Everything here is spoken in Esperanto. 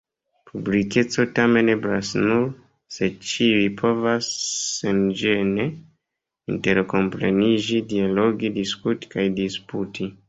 Publikeco tamen eblas nur, se ĉiuj povas senĝene interkompreniĝi, dialogi, diskuti kaj disputi.